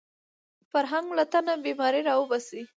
فرهنګ له تنه بیماري راوباسي